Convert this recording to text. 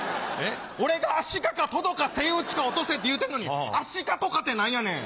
俺がアシカかトドかセイウチかオットセイって言うてんのにアシカとかって何やねん。